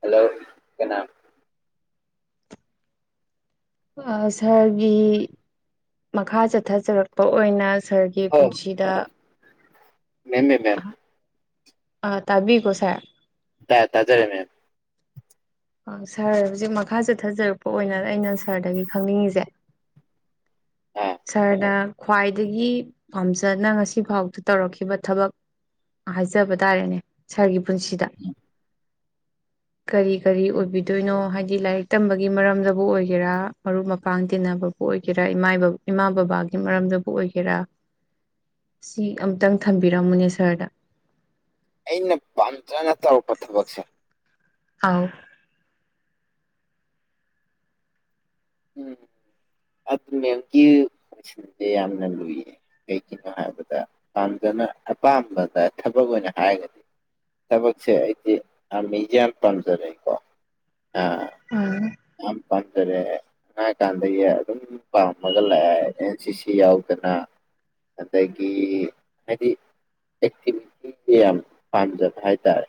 hello ꯀꯅꯥ ꯁꯥꯍꯔꯒꯤ ꯃꯈꯥ ꯆꯠꯊꯖꯔꯛꯄ ꯑꯣꯏꯅ ꯁꯥꯍꯔꯒꯤ ꯄꯨꯟꯁꯤꯗ ꯃꯦꯝꯃꯦ ꯃꯦꯝ ꯑ ꯇꯥꯕꯤꯀꯣꯁꯥꯏ ꯇ ꯇꯥꯖꯔꯦꯃꯦ ꯑ ꯁꯥꯔ ꯍꯧꯖꯤꯛ ꯃꯈꯥ ꯆꯠꯊꯖꯔꯛꯄ ꯑꯣꯏꯅ ꯑꯩꯅ ꯁꯥꯔꯗꯒꯤ ꯈꯪꯅꯤꯡꯉꯤꯁꯦ ꯑꯥ ꯁꯥꯔꯗꯥ ꯈ꯭ꯋꯥꯏꯗꯒꯤ ꯄꯥꯝꯖꯅ ꯉꯁꯤꯐꯥꯎꯗ ꯇꯧꯔꯛꯈꯤꯕ ꯊꯕꯛ ꯍꯥꯏꯖꯕ ꯇꯥꯔꯦꯅꯦ ꯁꯥꯔꯒꯤ ꯄꯨꯟꯁꯤꯗ ꯀꯔꯤ ꯀꯔꯤ ꯑꯣꯏꯕꯤꯗꯣꯏꯅꯣ ꯍꯥꯏ ꯁꯤ ꯂꯥꯏꯔꯤꯛ ꯇꯝꯕꯒꯤ ꯃꯔꯝꯗꯕꯨ ꯑꯣꯏꯒꯦꯔꯥ ꯃꯔꯨꯞ ꯃꯄꯥꯡ ꯇꯤꯟꯅꯕꯕꯨ ꯑꯣꯏꯒꯦꯔꯥ ꯏꯃꯥ ꯕꯕꯥꯒꯤ ꯃꯔꯝꯗꯕꯨ ꯑꯣꯏꯒꯦꯔꯥ ꯁꯤ ꯑꯃꯇꯪ ꯊꯝꯕꯤꯔꯝꯃꯨꯅꯦ ꯁꯍꯔꯗ ꯑꯩꯅ ꯄꯥꯝꯖꯅ ꯇꯧꯔꯛꯄ ꯊꯕꯛꯁꯦ ꯑꯥꯎ ꯎꯝ ꯑꯗꯨ ꯃꯦꯝꯒꯤ ꯀꯣꯏꯁꯟꯁꯦ ꯌꯥꯝꯅ ꯂꯨꯏꯌꯦ ꯀꯩꯒꯤꯅꯣ ꯍꯥꯏꯕꯗ ꯄꯥꯝꯖꯅ ꯑꯄꯥꯝꯕꯗ ꯊꯕꯛ ꯑꯣꯏꯅ ꯍꯥꯏꯔꯒꯗꯤ ꯊꯕꯛꯁꯦ ꯑꯩꯗꯤ ꯑꯥꯔꯃꯤꯁꯦ ꯌꯥꯝ ꯄꯥꯝꯖꯔꯩꯀꯣ ꯑ ꯎꯝ ꯑ ꯄꯗꯔꯦ ꯑꯉꯥꯡ ꯀꯥꯟꯗꯒꯤ ꯑꯗꯨꯝ ꯄꯥꯝꯃꯒ ꯂꯥꯛꯑꯦ ꯑꯦꯟ ꯁꯤ ꯁꯤ ꯌꯥꯎꯗꯅ ꯑꯗꯒꯤ ꯍꯥꯏꯗꯤ ꯑꯦꯛꯇꯤꯚꯤꯇꯤ ꯌꯥꯝ ꯄꯥꯝꯖꯕ ꯍꯥꯏꯇꯥꯔꯦ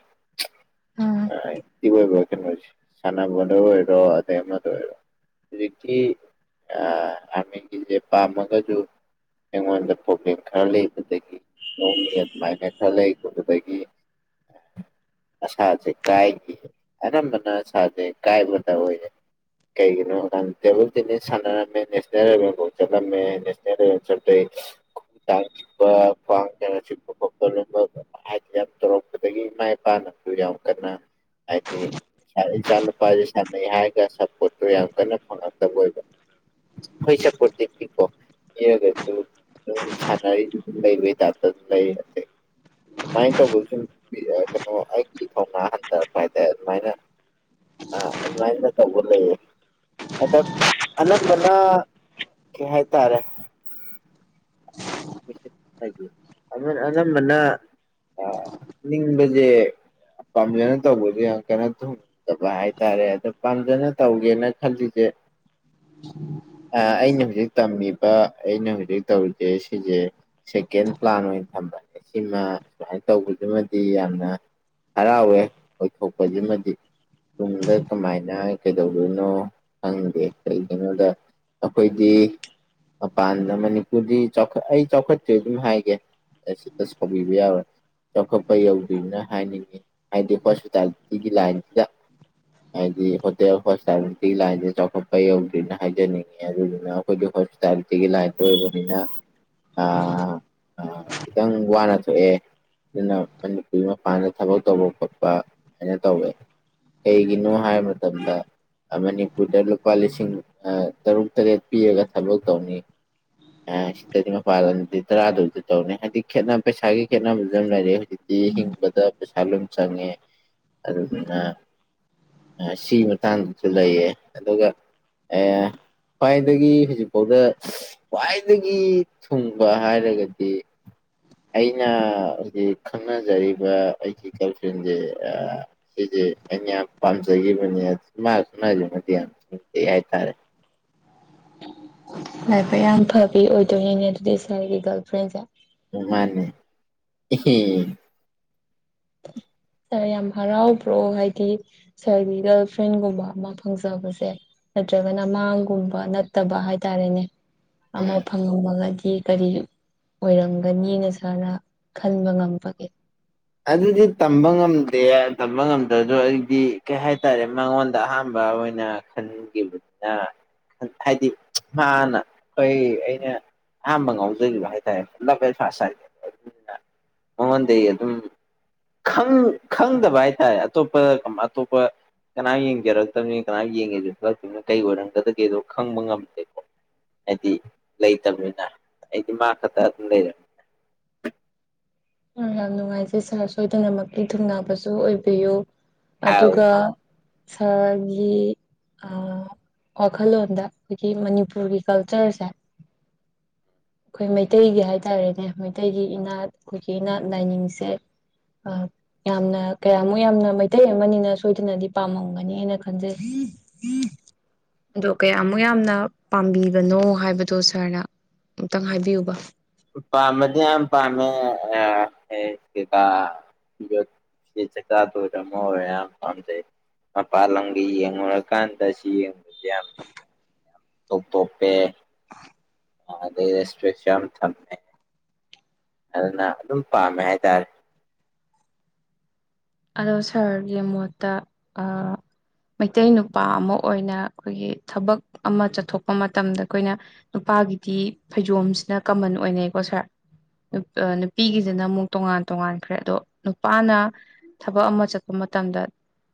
ꯎꯝ ꯑꯦꯛꯇꯤꯚ ꯑꯣꯏꯕ ꯀꯩꯅꯣꯁꯦ ꯁꯥꯟꯅꯕꯗ ꯑꯣꯏꯔꯣ ꯑꯗꯩ ꯑꯃꯗ ꯑꯣꯏꯔꯣ ꯍꯧꯖꯤꯛꯇꯤ ꯑꯥꯔꯃꯤꯒꯤꯁꯦ ꯄꯥꯝꯃꯒꯁꯨ ꯑꯩꯉꯣꯟꯗ ꯄ꯭ꯔꯣꯕ꯭ꯂꯦꯝ ꯈꯔ ꯂꯩꯕꯗꯒꯤ ꯅꯣꯡꯃꯤ ꯑꯗꯨꯃꯥꯏꯅ ꯈꯔ ꯂꯩꯕꯗꯒꯤ ꯑꯁꯥꯁꯦ ꯀꯥꯏꯈꯤ ꯑꯅꯝꯕꯅ ꯑꯁꯥꯁꯦ ꯀꯥꯏꯕꯇ ꯑꯣꯏꯔꯦ ꯀꯩꯒꯤꯅꯣ ꯇꯦꯕꯜ ꯇꯦꯅꯤꯁ ꯁꯥꯟꯅꯔꯝꯃꯦ ꯅꯦꯁꯅꯦꯜ ꯂꯦꯚꯦꯜꯐꯥꯎ ꯆꯠꯂꯝꯃꯦ ꯅꯦꯁꯅꯦꯜ ꯂꯦꯚꯦꯜ ꯆꯠꯄꯩ ꯈꯣꯡ ꯇꯥꯡ ꯆꯤꯛꯄ ꯈ꯭ꯋꯥꯡ ꯀꯩꯅꯣ ꯆꯤꯛꯄ ꯈꯣꯠꯄ ꯂꯕ ꯍꯥꯏꯗꯤ ꯌꯥꯝ ꯇꯧꯔꯛꯄꯗꯒꯤ ꯏꯃꯥ ꯏꯄꯥꯅꯁꯨ ꯌꯥꯝ ꯀꯟꯅ ꯍꯥꯏꯗꯤ ꯏꯆꯥ ꯅꯨꯨꯄꯥꯁꯤ ꯁꯥꯟꯅꯩ ꯍꯥꯏꯔꯒ ꯁꯞꯄꯣꯔꯠꯇꯨ ꯌꯥꯝ ꯀꯟꯅ ꯐꯪꯉꯛꯇꯕ ꯑꯣꯏꯕ ꯑꯩꯈꯣꯏ ꯁꯄꯣꯔꯠꯇꯤ ꯄꯤꯀꯣ ꯄꯤꯔꯒꯁꯨ ꯁꯥꯟꯅꯔꯤ ꯂꯩꯕꯒꯤ ꯇꯥꯏꯞꯇ ꯑꯗꯨꯝ ꯂꯩ ꯑꯗꯒꯤ ꯑꯗꯨꯃꯥꯏꯅ ꯇꯧꯕꯁꯨ ꯀꯩꯅꯣ ꯑꯩꯒꯤ ꯊꯧꯅꯥ ꯍꯟꯊꯔꯛꯄ ꯍꯥꯏꯇꯥꯔꯦ ꯑꯗꯨꯃꯥꯏꯅ ꯑꯗꯨꯃꯥꯏꯅ ꯇꯧꯕ ꯂꯩꯌꯦ ꯑꯗ ꯑꯅꯝꯕꯅ ꯀꯩ ꯍꯥꯏꯇꯥꯔꯦ ꯑꯅꯝꯕꯅ ꯅꯤꯡꯕꯁꯦ ꯄꯥꯝꯖꯅ ꯇꯧꯕꯁꯦ ꯌꯥꯝ ꯀꯟꯅ ꯊꯨꯡꯗꯕ ꯍꯥꯏꯇꯥꯔꯦ ꯑꯗꯣ ꯄꯥꯝꯖꯅ ꯇꯧꯒꯦꯅ ꯈꯜꯂꯤꯁꯦ ꯑ ꯑꯩꯅ ꯍꯧꯖꯤ ꯇꯅꯤ ꯑꯩꯅ ꯍꯧꯖꯤꯛ ꯇꯧꯔꯤꯁꯦ ꯁꯤꯁꯦ ꯁꯦꯀꯦꯟ ꯄ꯭ꯂꯥꯟ ꯑꯣꯏꯅ ꯊꯝꯕꯅꯦ ꯁꯤꯃ ꯁꯨꯃꯥꯏꯅ ꯇꯧꯕꯁꯤꯃꯗꯤ ꯌꯥꯝꯅ ꯍꯔꯥꯎꯋꯦ ꯑꯣꯏꯊꯣꯛꯄꯁꯤꯃꯗꯤ ꯇꯨꯡꯗ ꯀꯃꯥꯏꯅ ꯀꯩꯗꯧꯗꯣꯏꯅꯣ ꯈꯪꯗꯦ ꯀꯩꯒꯤꯅꯣꯗ ꯑꯩꯈꯣꯏꯗꯤ ꯃꯄꯥꯟꯗ ꯃꯅꯤꯄꯨꯔꯗꯤ ꯆꯥꯎꯈꯠ ꯑꯩ ꯆꯥꯎꯈꯠꯇꯦ ꯑꯗꯨꯝ ꯍꯥꯏꯒꯦ ꯁꯤꯇ ꯁꯥꯎꯕꯤꯕ ꯌꯥꯔꯣꯏ ꯆꯥꯎꯈꯠꯄ ꯌꯧꯗ꯭ꯣꯏꯅ ꯍꯥꯏꯅꯤꯡꯉꯤ ꯍꯥꯏꯗꯤ ꯍꯣꯁꯄꯤꯇꯥꯂꯤꯇꯤꯒꯤ ꯂꯥꯏꯟꯁꯤꯗ ꯍꯥꯏꯗꯤ ꯍꯣꯇꯦꯜ ꯍꯣꯁꯄꯤꯇꯥꯂꯤꯇꯤꯒꯤ ꯂꯥꯏꯟꯁꯤꯗ ꯆꯥꯎꯈꯠꯄ ꯌꯧꯗ꯭ꯔꯤꯅ ꯍꯥꯏꯖꯅꯤꯡꯉꯤ ꯑꯗꯨꯗꯨꯅ ꯑꯩꯈꯣꯏꯒꯤ ꯍꯣꯁꯄꯤꯇꯥꯂꯤꯇꯤꯒꯤ ꯂꯥꯏꯟꯗ ꯑꯣꯏꯕꯅꯤꯅ ꯑꯥ ꯈꯤꯇꯪ ꯋꯥꯅ ꯊꯣꯛꯑꯦ ꯑꯗꯨꯅ ꯃꯅꯤꯄꯨꯔꯤ ꯃꯄꯥꯟꯗ ꯊꯕꯛ ꯇꯧꯕ ꯈꯣꯠꯄ ꯍꯥꯏꯅ ꯇꯧꯋꯦ ꯀꯩꯒꯤꯅꯣ ꯍꯥꯏꯕ ꯃꯇꯝꯗ ꯃꯅꯤꯄꯨꯔꯗ ꯂꯨꯄꯥ ꯂꯤꯁꯤꯡ ꯇꯔꯨꯛ ꯇꯔꯦꯠ ꯄꯤꯔꯒ ꯊꯕꯛ ꯇꯧꯅꯤ ꯑꯗꯤ ꯃꯄꯥꯜꯗꯗꯤ ꯇꯔꯥꯗꯧꯗꯤ ꯇꯧꯅꯤ ꯍꯥꯏꯗꯤ ꯈꯦꯠꯅꯕ ꯄꯩꯁꯥꯒꯤ ꯈꯦꯠꯅꯕꯁꯨ ꯑꯗꯨꯝ ꯂꯩꯔꯦ ꯗꯤ ꯍꯤꯡꯕꯗ ꯄꯩꯁꯥ ꯑꯗꯨ ꯆꯪꯉꯦ ꯑꯗꯨꯝꯅ ꯁꯤꯒꯤ ꯃꯇꯥꯡꯗꯁꯨ ꯂꯩꯌꯦ ꯑꯗꯨꯒ ꯈ꯭ꯋꯥꯏꯗꯒꯤ ꯍꯧꯖꯤꯛꯐꯥꯎꯗ ꯈ꯭ꯋꯥꯏꯗꯒꯤ ꯊꯨꯡꯕ ꯍꯥꯏꯔꯒꯗꯤ ꯑꯩꯅ ꯍꯧꯖꯤꯛ ꯈꯪꯅꯖꯔꯤꯕ ꯑꯩꯒꯤ ꯀꯔꯐꯦꯟꯁꯦ ꯁꯤꯁꯦ ꯑꯩꯅ ꯌꯥꯝ ꯄꯥꯝꯖꯈꯤꯕꯅꯦ ꯃꯥ ꯁꯅꯁꯤꯃꯗꯤ ꯌꯥꯝ ꯊꯨꯡꯖꯩ ꯍꯥꯏꯇꯥꯔꯦ ꯂꯥꯏꯐ ꯌꯥꯝ ꯐꯕꯤ ꯑꯣꯏꯗꯣꯏꯅꯤꯅꯦ ꯑꯗꯨꯗꯤ ꯁꯔꯒꯤ ꯒꯥꯔꯜ ꯐ꯭ꯔꯦꯟꯁꯦ ꯃꯥꯅꯦ ꯁꯥꯔ ꯌꯥꯝ ꯍꯔꯥꯎꯕ꯭ꯔꯣ ꯍꯥꯏꯗꯤ ꯁꯥꯔꯒꯤ ꯒꯔꯜ ꯐ꯭ꯔꯦꯟꯒꯨꯝꯕ ꯑꯃ ꯐꯪꯖꯕꯁꯦ ꯅꯠꯇ꯭ꯔꯒꯅ ꯃꯥꯡꯒꯨꯝꯕ ꯅꯠꯇꯕ ꯍꯥꯏꯇꯥꯔꯦꯅꯦ ꯑꯃ ꯐꯪꯉꯝꯃꯒꯗꯤ ꯁꯤ ꯀꯔꯤ ꯑꯣꯏꯔꯝꯒꯅꯤꯅ ꯁꯥꯔꯅ ꯈꯟꯕ ꯉꯝꯕꯒꯦ ꯑꯗꯨꯗꯤ ꯇꯝꯕ ꯉꯝꯗꯦ ꯇꯝꯕ ꯉꯝꯗ꯭ꯔꯗ ꯑꯩꯗꯤ ꯀꯩ ꯍꯥꯏꯇꯥꯔꯦ ꯃꯉꯣꯟꯗ ꯑꯍꯥꯝꯕ ꯑꯣꯏꯅ ꯈꯟꯈꯤꯕꯅꯤꯅ ꯍꯥꯏꯗꯤ ꯃꯥꯅ ꯑꯩꯈꯣꯏ ꯑꯩꯅ ꯑꯍꯝꯕ ꯉꯥꯎꯖꯈꯤꯕ ꯍꯥꯏ ꯇꯥꯔꯦ ꯂꯞ ꯑꯦꯟ ꯐꯥꯁ ꯍꯥꯏ ꯑꯗꯨꯅ ꯃꯉꯣꯟꯗꯒꯤ ꯑꯗꯨꯝ ꯈꯪꯗꯕ ꯍꯥꯏ ꯇꯔꯦ ꯑꯇꯣꯞꯄ ꯑꯇꯣꯞꯄ ꯀꯅꯥꯝ ꯌꯦꯡꯖꯔꯛꯇꯕꯅꯤꯅ ꯀꯅꯥꯝ ꯌꯦꯡꯒꯦ ꯈꯂꯛꯇꯅꯤꯅꯣ ꯀꯩ ꯑꯣꯏꯔꯝꯒꯗꯒꯦꯗꯣ ꯈꯪꯕ ꯉꯝꯗꯦꯀꯣ ꯍꯥꯏꯗꯤ ꯂꯩꯇꯕꯅꯤꯅ ꯑꯩꯗꯤ ꯃꯥ ꯈꯛꯇ ꯑꯗꯨꯝ ꯂꯩꯔꯝꯃꯤ ꯌꯥꯝ ꯅꯨꯡꯉꯥꯏꯖꯩ ꯁꯥꯔ ꯁꯣꯏꯗꯅꯃꯛꯀꯤ ꯊꯨꯡꯅꯥꯕꯁꯨ ꯑꯣꯏꯕꯤꯌꯨ ꯑꯥꯎ ꯑꯗꯨꯒ ꯁꯍꯔꯒꯤ ꯋꯥꯈꯜꯂꯣꯟꯗ ꯑꯩꯈꯣꯏꯒꯤ ꯃꯅꯤꯄꯨꯔꯒꯤ ꯀꯜꯆꯔꯁꯦ ꯑꯩꯈꯣꯏ ꯃꯩꯇꯩꯒꯤ ꯍꯥꯏꯇꯥꯔꯦꯅꯦ ꯃꯩꯇꯩꯒꯤ ꯏꯅꯥꯠ ꯑꯩꯈꯣꯏꯒꯤꯅꯥꯠ ꯂꯥꯏꯅꯤꯡꯁꯦ ꯌꯥꯝꯅ ꯀꯌꯥꯃꯨꯛ ꯌꯥꯝꯅ ꯃꯩꯇꯩ ꯑꯃꯅꯤꯅ ꯁꯣꯏꯗꯅꯗꯤ ꯄꯥꯝꯃꯝꯒꯅꯤꯅ ꯈꯟꯖꯩ ꯑꯗꯣ ꯀꯌꯥꯃꯨꯛ ꯌꯥꯝꯅ ꯄꯥꯝꯕꯤꯕꯅꯣ ꯍꯥꯏꯕꯗꯣ ꯁꯥꯔꯅ ꯑꯃꯨꯛꯇꯪ ꯍꯥꯏꯕꯤꯌꯨꯕ ꯄꯥꯝꯕꯗꯤ ꯌꯥꯝ ꯄꯥꯝꯃꯦ ꯀꯩꯀꯥ ꯌꯣ ꯆꯆꯥ ꯊꯨꯔ ꯑꯃ ꯑꯣꯏꯔꯦ ꯌꯥꯝ ꯄꯥꯝꯖꯩ ꯃꯄꯥꯜ ꯂꯝꯒꯤ ꯌꯦꯡꯉꯨꯔꯀꯥꯟꯗ ꯁꯤ ꯌꯦꯡꯕꯗꯤ ꯌꯥꯝꯥꯝꯖ ꯇꯣꯞ ꯇꯣꯞꯄꯦ ꯑꯗꯩ ꯔꯦꯁꯇ꯭ꯔꯤꯛꯁꯟ ꯊꯝꯃꯦ ꯑꯗꯨꯅ ꯑꯗꯨꯝ ꯄꯥꯝꯃꯦ ꯍꯥꯏꯇꯥꯔꯦ ꯑꯗꯣ ꯁꯥꯔꯒꯤ ꯃꯣꯠꯇ ꯃꯩꯇꯩ ꯅꯨꯄꯥ ꯑꯃ ꯑꯣꯏꯅ ꯑꯩꯈꯣꯏꯒꯤ ꯊꯕꯛ ꯑꯃ ꯆꯠꯊꯣꯛꯄ ꯃꯇꯝꯗ ꯑꯩꯈꯣꯏꯅ ꯅꯨꯄꯥꯒꯤꯗꯤ ꯐꯩꯖꯣꯝꯁꯤꯅ ꯀꯃꯟ ꯑꯣꯏꯅꯩꯀꯣ ꯁꯥꯔ ꯅꯨꯄꯤꯒꯤꯁꯤꯅ ꯑꯃꯨꯛ ꯇꯣꯉꯥꯟ ꯇꯣꯉꯥꯟꯈ꯭ꯔꯦ ꯑꯗꯣ ꯅꯨꯄꯥꯅ ꯊꯕꯛ ꯑꯃ ꯆꯠꯄ ꯃꯇꯝꯗ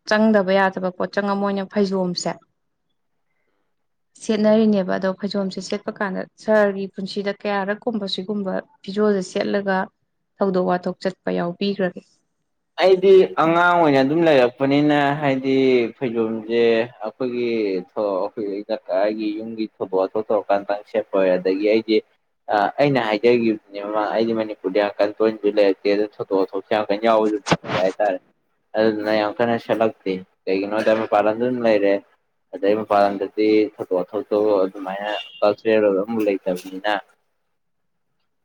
ꯆꯪꯗꯕ ꯌꯥꯗꯕ ꯄꯣꯠꯆꯪ ꯑꯃ ꯑꯣꯏꯅ ꯐꯩꯖꯣꯝꯁꯦ ꯁꯦꯠꯅꯔꯤꯅꯦꯕ ꯑꯗꯣ ꯐꯩꯖꯣꯝꯁꯦ ꯁꯦꯠꯄ ꯀꯥꯟꯗ ꯁꯍꯔꯒꯤ ꯄꯨꯟꯁꯤꯗ ꯀꯌꯥꯔꯛꯀꯨꯝꯕ ꯁꯤꯒꯨꯝꯕ ꯐꯤꯖꯣꯜꯁꯦ ꯁꯦꯠꯂꯒ ꯊꯧꯗꯣꯛ ꯋꯥꯊꯣꯛ ꯆꯠꯄ ꯌꯥꯎꯕꯤꯈ꯭ꯔꯒꯦ ꯑꯩꯗꯤ ꯑꯉꯥꯡ ꯑꯣꯏꯅ ꯑꯗꯨꯝ ꯂꯩꯔꯛꯄꯅꯤꯅ ꯍꯥꯏꯗꯤ ꯐꯩꯖꯣꯝꯁꯦ ꯑꯩꯈꯣꯏꯒꯤ ꯑꯩꯈꯣꯏꯀ ꯑꯩꯒꯤ ꯌꯨꯝꯒꯤ ꯊꯧꯗꯣꯛ ꯋꯥꯊꯣꯛ ꯇꯧꯔꯀꯥꯟꯗꯪ ꯁꯦꯠꯄꯋ ꯑꯗꯒꯤ ꯑꯩꯗꯤ ꯑꯩꯅ ꯍꯥꯏꯖꯈꯤꯕꯗꯨꯅꯦ ꯃꯃꯥꯡ ꯑꯩꯗꯤ ꯃꯅꯤꯄꯨꯔꯗ ꯌꯥꯝꯀꯟ ꯇꯣꯏꯁꯨ ꯂꯩꯔꯛꯇꯦ ꯑꯗꯨꯗ ꯊꯧꯗꯣꯛ ꯋꯥꯊꯣꯛꯁꯨ ꯌꯥꯝꯀꯟ ꯌꯥꯎꯕꯁꯨ ꯐꯠꯇꯦ ꯍꯥꯏꯇꯥꯔꯦ ꯑꯗꯨꯗꯨꯅ ꯌꯥꯝ ꯀꯟꯅ ꯁꯦꯠꯂꯛꯇꯦ ꯀꯩꯒꯤꯅꯣ ꯍꯥꯏꯗ ꯃꯄꯥꯟꯗ ꯑꯗꯨꯝ ꯂꯩꯔꯦ ꯑꯗꯩ ꯃꯄꯥꯟꯂꯗꯗꯤ ꯊꯧꯗꯣꯛ ꯋꯥꯊꯇꯣꯛ ꯑꯗꯨꯃꯥꯏꯅ ꯀꯜꯆꯔꯦꯜ ꯑꯣꯏ ꯑꯃ ꯂꯩꯇꯕꯅꯤꯅ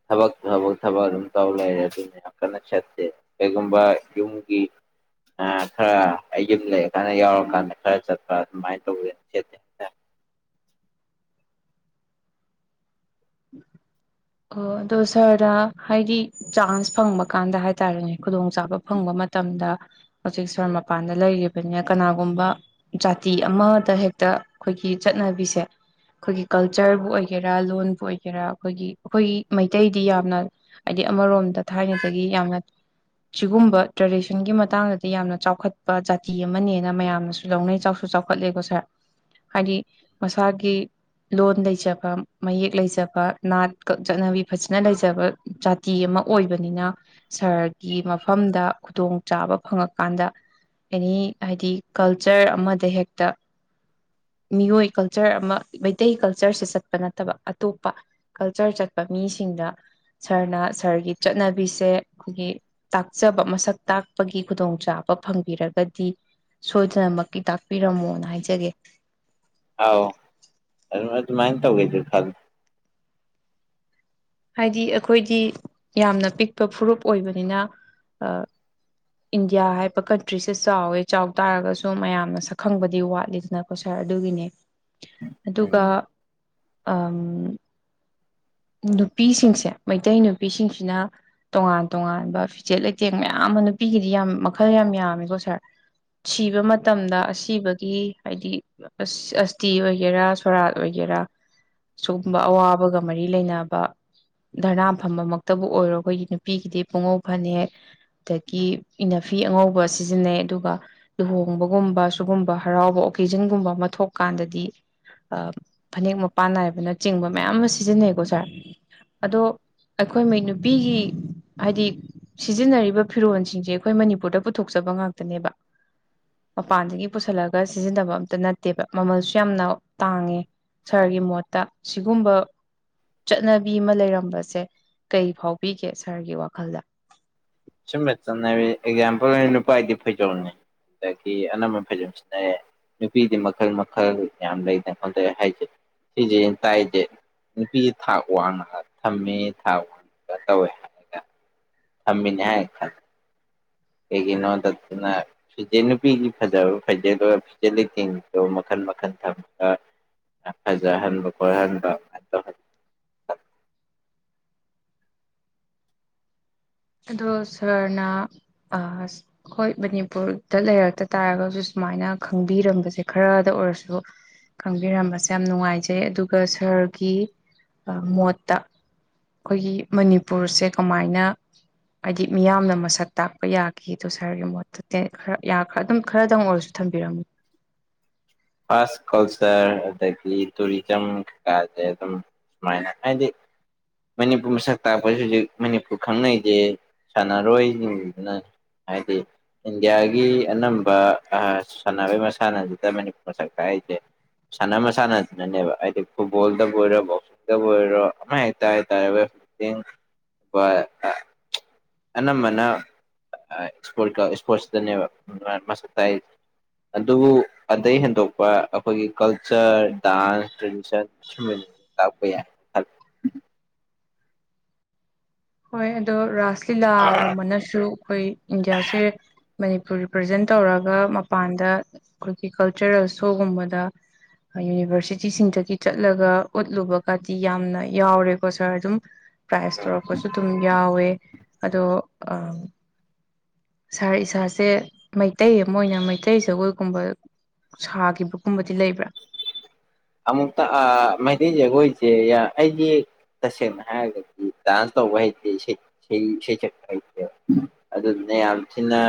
ꯊꯕꯛ ꯊꯕꯛ ꯊꯕꯛ ꯑꯗꯨꯝ ꯇꯧ ꯂꯩꯔꯦ ꯑꯗꯨꯅ ꯌꯥꯝ ꯀꯟꯅ ꯁꯠꯇꯦ ꯀꯩꯒꯨꯝꯕ ꯌꯨꯝꯒꯤ ꯈꯔ ꯑꯩ ꯌꯨꯝ ꯂꯩ ꯀꯥꯟꯗ ꯌꯥꯎꯔꯀꯥꯟꯗ ꯈꯔ ꯆꯠꯄ ꯑꯗꯨꯃꯥꯏꯅ ꯇꯧꯋꯦꯅ ꯁꯦꯠꯅꯩ ꯍꯥꯏꯇꯥꯔꯦ ꯑꯣ ꯑꯗꯣ ꯁꯔꯗ ꯍꯥꯏꯗꯤ ꯆꯥꯟꯁ ꯐꯪꯕ ꯀꯥꯟꯗ ꯍꯥꯏꯇꯥꯔꯦꯅꯦ ꯈꯨꯗꯣꯡ ꯆꯥꯕ ꯐꯪꯕ ꯃꯇꯝꯗ ꯍꯧꯖꯤꯛ ꯁ꯭ꯋꯥꯏ ꯃꯄꯥꯟꯗ ꯂꯩꯔꯤꯕꯅꯤꯅ ꯀꯅꯥꯒꯨꯝꯕ ꯖꯥꯇꯤ ꯑꯃꯗ ꯍꯦꯛꯇ ꯑꯩꯈꯣꯏꯒꯤ ꯆꯠꯅꯕꯤꯁꯦ ꯑꯩꯈꯣꯏꯒꯤ ꯀꯜꯆꯔꯕꯨ ꯑꯣꯏꯒꯦꯔꯥ ꯂꯣꯟꯕꯨ ꯑꯣꯏꯒꯦꯔꯥ ꯑꯩꯈꯣꯏꯒꯤ ꯑꯩꯈꯣꯏꯒꯤ ꯃꯩꯇꯩꯗꯤ ꯌꯥꯝꯅ ꯍꯥꯏꯗꯤ ꯑꯃꯔꯣꯝꯗ ꯊꯥꯏꯅꯗꯒꯤ ꯌꯥꯝꯅ ꯁꯤꯒꯨꯝꯕ ꯇ꯭ꯔꯦꯗꯤꯁꯟꯒꯤ ꯃꯇꯥꯡꯗꯗꯤ ꯌꯥꯝꯅ ꯆꯥꯎꯈꯠꯄ ꯖꯥꯇꯤ ꯑꯃꯅꯦꯅ ꯃꯌꯥꯝꯅꯁꯨ ꯂꯧꯅꯩ ꯆꯥꯎꯁꯨ ꯆꯥꯎꯈꯠꯂꯦꯀꯣ ꯁꯥꯔ ꯍꯥꯏꯗꯤ ꯃꯁꯥꯒꯤ ꯂꯣꯟ ꯂꯩꯖꯕ ꯃꯌꯦꯛ ꯂꯩꯖꯕ ꯅꯥꯠ ꯆꯠꯅꯕꯤ ꯐꯖꯅ ꯂꯩꯖꯕ ꯖꯥꯇꯤ ꯑꯃ ꯑꯣꯏꯕꯅꯤꯅ ꯁꯍꯔꯒꯤ ꯃꯐꯝꯗ ꯈꯨꯗꯣꯡ ꯆꯥꯕ ꯐꯪꯉꯛꯀꯥꯟꯗ ꯑꯦꯅꯤ ꯍꯥꯏꯗꯤ ꯀꯜꯆꯔ ꯑꯃꯗ ꯍꯦꯛꯇ ꯃꯤꯑꯣꯏ ꯀꯜꯆꯔ ꯑꯃ ꯃꯩꯇꯩ ꯀꯜꯆꯔꯁꯦ ꯆꯠꯄ ꯅꯠꯇꯕ ꯑꯇꯣꯞꯄ ꯑꯛꯆꯔ ꯆꯠꯄ ꯃꯤꯁꯤꯡꯗ ꯁꯥꯔꯅ ꯁꯥꯔꯒꯤ ꯆꯠꯅꯕꯤꯁꯦ ꯑꯩꯈꯣꯏꯒꯤ ꯇꯥꯛꯆꯕ ꯃꯁꯛ ꯇꯥꯛꯄꯒꯤ ꯈꯨꯗꯣꯡꯆꯥꯕ ꯐꯪꯕꯤꯔꯒꯗꯤ ꯁꯣꯏꯗꯅꯃꯛꯀꯤ ꯇꯥꯛꯄꯤꯔꯝꯃꯣꯅ ꯍꯥꯏꯖꯒꯦ ꯑꯥꯎ ꯑꯗꯨ ꯑꯗꯨꯃꯥꯏꯅ ꯇꯧꯒꯦꯁ ꯈꯜ ꯍꯥꯏꯗꯤ ꯑꯩꯈꯣꯏꯗꯤ ꯌꯥꯝꯅ ꯄꯤꯛꯄ ꯐꯨꯔꯨꯞ ꯑꯣꯏꯕꯅꯤꯅ ꯏꯟꯗꯤꯌꯥ ꯍꯥꯏꯕ ꯀꯟꯇ꯭ꯔꯤꯁꯦ ꯆꯥꯎꯋꯦ ꯆꯥꯎ ꯇꯥꯔꯒꯁꯨ ꯃꯌꯥꯝꯅ ꯁꯛꯈꯪꯕꯗꯤ ꯋꯥꯠꯂꯤꯗꯅꯀꯣ ꯁꯥꯔ ꯑꯗꯨꯒꯤꯅꯦ ꯎꯝ ꯑꯗꯨꯒ ꯅꯨꯄꯤꯁꯤꯡꯁꯦ ꯃꯩꯇꯩ ꯅꯨꯄꯤꯁꯤꯡꯁꯤꯅ ꯇꯣꯉꯥꯟ ꯇꯣꯉꯥꯟꯕ ꯐꯤꯖꯦꯠ ꯂꯩꯇꯦꯡ ꯃꯌꯥꯝ ꯑꯃ ꯅꯨꯄꯤꯒꯤꯗꯤ ꯌꯥꯝ ꯃꯈꯜ ꯌꯥꯝ ꯌꯥꯝꯃꯤꯀꯣ ꯁꯥꯔ ꯁꯤꯕ ꯃꯇꯝꯗ ꯑꯁꯤꯕꯒꯤ ꯍꯥꯏꯗꯤ ꯑꯁ ꯑꯁꯇꯤ ꯑꯣꯏꯒꯦꯔꯥ ꯁꯣꯔꯥꯠ ꯑꯣꯏꯒꯦꯔꯥ ꯁꯒꯨꯝꯕ ꯑꯋꯥꯕꯒ ꯃꯔꯤ ꯂꯩꯅꯕ ꯙꯔꯅꯥ ꯐꯝꯕꯃꯛꯇꯕꯨ ꯑꯣꯏꯔꯣ ꯑꯩꯈꯣꯏꯒꯤ ꯅꯨꯄꯤꯒꯤꯗꯤ ꯄꯨꯡꯉꯧ ꯐꯅꯦꯛ ꯑꯗꯒꯤ ꯏꯅꯥꯐꯤ ꯑꯉꯧꯕ ꯁꯤꯖꯤꯟꯅꯩ ꯑꯗꯨꯒ ꯂꯨꯍꯣꯡꯕꯒꯨꯝꯕ ꯁꯨꯒꯨꯝꯕ ꯍꯔꯥꯎꯕ ꯑꯣꯀꯦꯖꯟꯒꯨꯝꯕ ꯑꯃ ꯊꯣꯛꯀꯥꯟꯗꯗꯤ ꯐꯅꯦꯛ ꯃꯄꯥꯟ ꯅꯥꯏꯕꯅꯆꯤꯡꯕ ꯃꯌꯥꯝ ꯑꯃ ꯁꯤꯖꯤꯟꯅꯩꯀꯣ ꯁꯥꯔ ꯑꯗꯣ ꯑꯩꯈꯣꯏꯩ ꯅꯨꯄꯤꯒꯤ ꯍꯥꯏꯗꯤ ꯁꯤꯖꯤꯟꯅꯔꯤꯕ ꯐꯤꯔꯣꯜꯁꯤꯡꯁꯦ ꯑꯩꯈꯣꯏ ꯃꯅꯤꯄꯨꯔꯗ ꯄꯨꯊꯣꯛꯆꯕ ꯉꯥꯛꯇꯅꯦꯕ ꯃꯄꯥꯟꯗꯒꯤ ꯄꯨꯁꯤꯜꯂꯒ ꯁꯤꯖꯤꯟꯅꯕ ꯑꯝꯇ ꯅꯠꯇꯦꯕ ꯃꯃꯜꯁꯨ ꯌꯥꯝꯅ ꯇꯥꯡꯉꯦ ꯁꯍꯔꯒꯤ ꯃꯣꯠꯇ ꯁꯤꯒꯨꯝꯕ ꯆꯠꯅ ꯂꯩꯔꯁꯦ ꯀꯔꯤ ꯐꯥꯎꯕꯤꯒꯦ ꯁꯥꯔꯒꯤ ꯋꯥꯈꯜꯗ ꯁꯅ ꯆꯠꯅꯕꯤ ꯑꯦꯛꯖꯥꯝꯄꯜ ꯑꯣꯏꯅ ꯅꯨꯄꯥꯗꯤ ꯐꯩꯖꯣꯝꯅꯤ ꯑꯗꯒꯤ ꯑꯅꯝꯕꯟ ꯐꯩꯖꯣꯝ ꯁꯤꯅꯔꯦ ꯅꯨꯄꯤꯗꯤ ꯃꯈꯜ ꯃꯈꯜ ꯌꯥꯝ ꯂꯩꯗꯅ ꯈꯣꯗ ꯍꯥꯏꯁꯦ ꯁꯤꯁꯦꯩꯅ ꯇꯥꯏꯁꯦ ꯅꯨꯄꯤ ꯊꯥꯛ ꯋꯥꯡꯉꯒ ꯊꯝꯃꯤ ꯊꯥꯛ ꯋꯥꯡꯉꯒ ꯇꯧꯋꯦ ꯍꯥꯏꯔꯒ ꯊꯃꯤ ꯌꯥ ꯈ ꯀꯩꯒꯤꯅꯣꯗꯠꯇꯅ ꯐꯤꯆꯦ ꯅꯨꯄꯤꯒꯤ ꯐꯖꯕ ꯐꯖꯦꯗꯨ ꯐꯤꯖꯦ ꯂꯤꯇꯤꯡꯗꯣ ꯃꯈꯜ ꯃꯈꯜ ꯊꯝꯒ ꯐꯖꯍꯟꯕ ꯈꯣꯠꯍꯟꯕ ꯑꯗꯨꯃꯥꯏꯅ ꯇꯧꯍꯜꯂꯤ ꯑꯗꯣ ꯁꯥꯔꯅ ꯑꯩꯣꯏ ꯃꯅꯤꯄꯨꯔꯗ ꯂꯩꯔꯛꯇ ꯇꯥꯔꯒꯁꯨ ꯁꯨꯃꯥꯏꯅ ꯈꯪꯕꯤꯔꯝꯕꯁꯦ ꯈꯔꯗ ꯑꯣꯏꯔꯁꯨ ꯈꯪꯕꯤꯔꯝꯕꯁꯦ ꯌꯥꯝ ꯅꯨꯡꯉꯥꯏꯖꯩ ꯑꯗꯨꯒ ꯁꯔꯒꯤ ꯃꯣꯠꯇ ꯑꯩꯈꯣꯏꯒꯤ ꯃꯅꯤꯄꯨꯔꯁꯦ ꯀꯃꯥꯏꯅ ꯍꯥꯏꯗꯤ ꯃꯤꯌꯥꯝꯅ ꯃꯁꯛ ꯇꯥꯛꯄ ꯌꯥꯈꯤꯗꯣ ꯁꯥꯔꯒꯤ ꯃꯣꯠꯇ ꯈꯔꯔ ꯑꯗꯨꯝ ꯈꯔꯗꯪ ꯑꯣꯏꯔꯁꯨ ꯊꯝꯕꯤꯔꯝꯃ ꯐꯥꯔꯁ ꯀꯜꯆꯔ ꯑꯗꯒꯤ ꯇꯨꯔꯤꯖꯝ ꯀꯩꯀꯥꯁꯦ ꯑꯗꯨꯝ ꯁꯨꯃꯥꯏꯅ ꯍꯥꯏꯗꯤ ꯃꯅꯤꯄꯨꯔ ꯃꯁꯛ ꯇꯥꯛꯄꯁꯤ ꯍꯧꯖꯤꯛ ꯃꯅꯤꯄꯨꯔ ꯈꯪꯅꯩꯁꯦ ꯁꯥꯟꯅꯔꯣꯏꯁꯤꯡꯗꯨꯅ ꯍꯥꯏꯗꯤ ꯏꯟꯗꯤꯌꯥꯒꯤ ꯑꯅꯝꯕ ꯁꯥꯟꯅꯔꯣꯏ ꯃꯁꯥꯟꯅꯁꯤꯗ ꯃꯅꯤꯄꯨꯔ ꯃꯁꯛ ꯇꯥꯛꯏꯁꯦ ꯁꯥꯟꯅ ꯃꯁꯥꯟꯅꯗꯨꯅꯅꯦꯕ ꯍꯥꯏꯗꯤ ꯐꯨꯠꯕꯣꯜꯗꯕꯨ ꯑꯣꯏꯔꯣ ꯕꯣꯛꯁꯤꯡꯗꯕꯨ ꯑꯣꯏꯔꯣ ꯑꯃ ꯍ ꯇꯇꯥꯔꯦ ꯋꯦꯠ ꯂꯤꯐꯇꯤꯡ ꯑꯅꯝꯕꯅ ꯏꯁꯄꯣꯔꯠꯁꯇꯅꯦꯕ ꯃꯁꯛ ꯇꯥꯛꯏꯁ ꯑꯗꯨꯕꯨ ꯑꯗꯩ ꯍꯦꯟꯗꯣꯛꯄ ꯑꯩꯈꯣꯏꯒꯤ ꯀꯜꯆꯔ ꯗꯥꯟꯁ ꯇ꯭ꯔꯦꯗꯤꯁꯟ ꯁꯨꯝ ꯇꯥꯛꯄ ꯌꯥꯏ ꯈꯂ ꯍꯣꯏ ꯑꯗꯣ ꯔꯥꯁ ꯂꯤꯂꯥꯒꯨꯝꯕꯅꯁꯨ ꯑꯩꯈꯣꯏ ꯏꯟꯗꯤꯌꯥꯁꯦ ꯃꯅꯤꯄꯨꯔ ꯔꯤꯄ꯭ꯔꯖꯦꯟ ꯇꯧꯔꯒ ꯃꯄꯥꯟꯗ ꯑꯩꯈꯣꯏꯒꯤ ꯀꯜꯆꯔꯦꯜ ꯁꯣꯒꯨꯝꯕꯗ ꯌꯨꯅꯤꯚꯔꯁꯤꯇꯤꯁꯤꯡꯗꯒꯤ ꯆꯠꯂꯒ ꯎꯠꯂꯨꯕꯒꯗꯤ ꯌꯥꯝꯅ ꯌꯥꯎꯔꯦꯀꯣ ꯁꯥꯔ ꯑꯗꯨꯝ ꯄꯥꯏ ꯁꯇꯔ ꯁꯨꯝ ꯌꯥ ꯌꯥꯥꯎꯋꯦ ꯑꯗꯣ ꯁꯥꯔ ꯏꯁꯥꯁꯦ ꯃꯩꯇꯩ ꯑꯃ ꯑꯣꯏꯅ ꯃꯩꯇꯩ ꯖꯒꯣꯏꯒꯨꯝꯕ ꯁꯥꯈꯤꯕꯒꯨꯝꯕꯗꯤ ꯂꯩꯕ꯭ꯔꯥ ꯑꯃꯨꯛꯇ ꯃꯩꯇꯩ ꯖꯒꯣꯏꯁꯦ ꯑꯩꯁꯦ ꯇꯁꯦꯡꯅ ꯍꯥꯏꯔꯒꯗꯤ ꯗꯥꯟꯁ ꯇꯧꯕ ꯍꯩꯇꯦ ꯁꯩꯁꯛꯄ ꯍꯩꯇꯦꯕ ꯑꯗꯨꯗꯨꯅ ꯌꯥꯝ ꯊꯤꯅ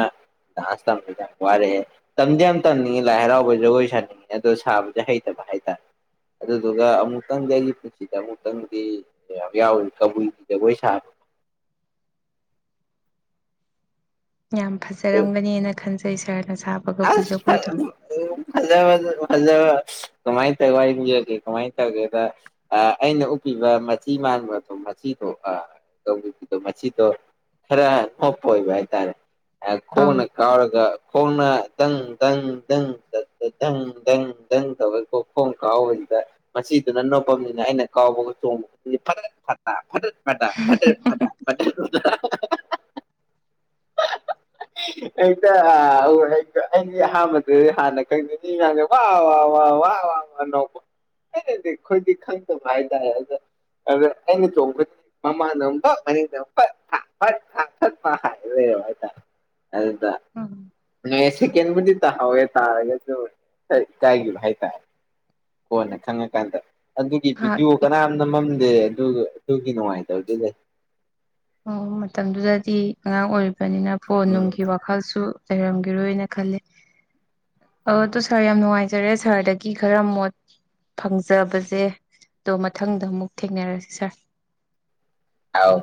ꯗꯥꯟꯁ ꯇꯝꯕꯁꯦ ꯌꯥꯝ ꯋꯥꯔꯛꯑꯦ ꯇꯝꯗꯤ ꯌꯥꯝ ꯇꯝꯅꯤꯡꯉꯦ ꯂꯥꯏ ꯍꯔꯥꯎꯕ ꯖꯒꯣꯏ ꯁꯥꯅꯤꯡꯉꯦ ꯑꯗꯣ ꯁꯥꯕꯁꯦ ꯍꯩꯇꯕ ꯍꯥꯏꯇꯥꯔꯦ ꯑꯗꯨꯗꯨꯒ ꯑꯃꯨꯛꯇꯪꯗꯤ ꯑꯩꯒꯤ ꯄꯨꯟꯁꯤꯗ ꯑꯃꯨꯛꯇꯪꯗꯤ ꯌꯥꯎꯔꯤ ꯀꯕꯨꯏꯒꯤ ꯖꯒꯣꯏ ꯁꯥꯕ ꯌꯥꯝ ꯐꯖꯔꯝꯒꯅꯦꯅ ꯈꯟꯖꯩ ꯁ ꯁꯔ ꯑꯁ ꯐ ꯐꯖ ꯐꯖꯕ ꯀꯃꯥꯏꯅ ꯇꯧ ꯋꯥꯔꯤ ꯌꯦꯡꯕꯤꯔꯒꯦ ꯀꯃꯥꯏꯅ ꯇꯧꯒꯦꯗ ꯑꯩꯅ ꯎꯞꯄꯤꯕ ꯃꯆꯤ ꯃꯥꯟꯕꯗꯣ ꯃꯆꯤꯗꯣ ꯇꯧꯕꯤꯗꯣ ꯃꯆꯤꯗꯣ ꯈꯔ ꯅꯣꯞꯄ ꯑꯣꯏꯕ ꯍꯥꯏꯇꯥꯔꯦ ꯈꯣꯡꯅ ꯑꯥꯎ ꯀꯥꯎꯔꯒ ꯀꯣꯡꯅ ꯗꯪ ꯗꯪ ꯗꯪ ꯗꯪ ꯪ ꯗꯪ ꯇꯧꯔꯀ ꯈꯣꯡ ꯀꯥꯎꯕꯁꯤꯗ ꯃꯁꯤꯗꯨꯅ ꯅꯣꯄꯝꯅꯤꯅ ꯑꯩꯅ ꯀꯥꯎꯕꯒ ꯆꯣꯡꯕ ꯐ ꯐ ꯐꯇꯠ ꯐ ꯐꯇꯦꯠꯇꯦ [unintelligible] [unintelligible] ꯑꯩꯅ ꯑꯩꯗꯤ ꯑꯍꯥꯟꯕꯗ ꯍꯥꯟꯅ ꯈꯪꯗꯅꯤ ꯉꯥꯡꯗꯦ ꯋꯥ ꯅꯧꯕ ꯑꯩꯅꯗꯤ ꯑꯩꯈꯣꯏꯗꯤ ꯈꯪꯗꯕ ꯍꯥꯏꯇꯥꯔꯦ ꯑꯗ ꯑꯗ ꯑꯩꯅ ꯆꯣꯡꯕꯗꯤ ꯃꯃꯥꯗ ꯑꯃꯨꯛ ꯐ ꯃꯅꯤꯡꯗ ꯑꯃꯨꯛ ꯐꯠ ꯐꯠ ꯊ ꯐꯠ ꯍꯥꯏ ꯂꯩ ꯍꯥꯏꯇꯥꯔꯦ ꯑꯗꯨꯗ ꯁꯦꯀꯦꯟꯕꯨꯗꯤ ꯇꯥꯍꯧꯋꯦ ꯇꯥꯔꯒꯁꯨ ꯏꯀꯥꯏꯈꯤꯕ ꯍꯥꯏꯇꯥꯔꯦ ꯀꯣꯅꯦ ꯈꯪꯉꯀꯥꯟꯗ ꯑꯗꯨꯒꯤ ꯉꯍꯥꯛ ꯚꯤꯗꯤꯑꯣ ꯀꯅꯥꯝꯅ ꯃꯝꯗꯦ ꯇ ꯇꯨ ꯀꯅꯣꯉꯥꯏ ꯇꯧ ꯇꯗꯦ ꯂꯩ ꯑꯣ ꯃꯇꯝꯗꯨꯗꯗꯤ ꯑꯉꯥꯡ ꯑꯣꯏꯔꯤꯕ ꯑꯗꯨꯕꯅꯤꯅ ꯐꯣꯟ ꯅꯨꯡꯒꯤ ꯎꯝ ꯋꯥꯈꯜꯁꯨ ꯂꯩꯔꯝꯒꯔꯣꯏꯅ ꯈꯜꯂꯦ ꯑꯗꯣ ꯁꯥꯔ ꯌꯥꯝ ꯅꯨꯡꯉꯥꯏꯖꯔꯦ ꯁꯥꯔꯗꯒꯤ ꯈꯔ ꯃꯣꯠ ꯐꯪꯖꯕꯁꯦ ꯑꯗꯣ ꯃꯊꯪꯗ ꯑꯃꯨꯛ ꯊꯦꯡꯅꯔꯁꯤ ꯁꯥꯔ ꯑꯥꯎ